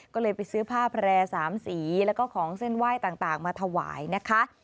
ก็เลยไปซื้อผ้าแพร่๓สีแล้วก็ของเส้นไหว้ต่างมาถวายนะคะ